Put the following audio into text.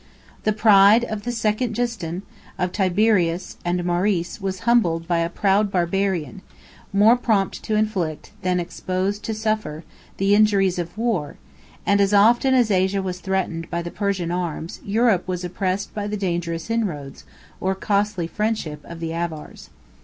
The pride of the second Justin, of Tiberius, and Maurice, was humbled by a proud Barbarian, more prompt to inflict, than exposed to suffer, the injuries of war; and as often as Asia was threatened by the Persian arms, Europe was oppressed by the dangerous inroads, or costly friendship, of the Avars.